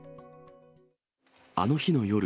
あの日の夜。